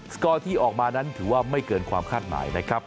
สกอร์ที่ออกมานั้นถือว่าไม่เกินความคาดหมายนะครับ